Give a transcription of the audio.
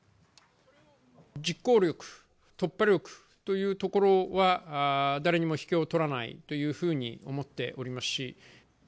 実行力・突破力というところは、誰にも引けを取らないというふうに思っておりますし。